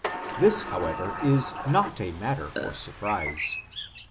This, however, is not a matter for surprise.